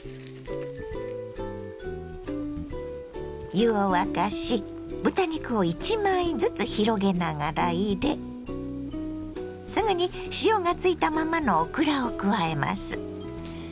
湯を沸かし豚肉を１枚ずつ広げながら入れすぐに塩がついたままのオクラを加えます。